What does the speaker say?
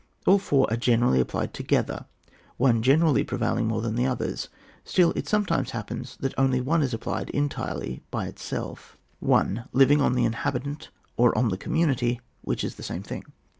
All four are generally ap plied together, one generally prevailing more than the others : still it sometimes happens that only one is applied entirely by itsel£ 1. — Living .on the inhahitantf or on the community, which is the same thing.